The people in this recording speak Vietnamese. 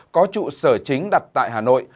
có trụ sở chính đặt tại hà nội